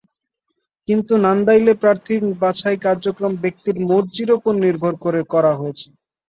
কিন্তু নান্দাইলে প্রার্থী বাছাই কার্যক্রম ব্যক্তির মর্জির ওপর নির্ভর করে করা হয়েছে।